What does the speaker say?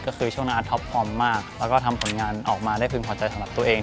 ก็คือช่วงนั้นอัสพร้อมมากแล้วก็ทำผลงานออกมาได้พึงพอใจของตัวเอง